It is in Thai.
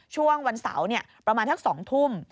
ช่วงวันเสาร์เนี่ยประมาณทั้ง๒ทุ่ม